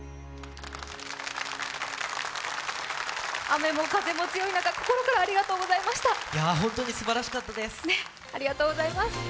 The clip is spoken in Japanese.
雨も風も強い中、心からありがとうございました。